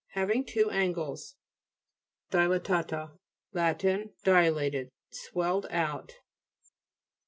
Having two angles, DTLATA'TA Lat. Dilated, swelled out.